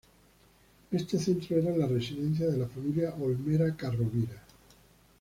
Este centro era la residencia de la familia Olmera-Çarrovira.